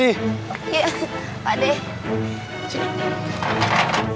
iya pak deh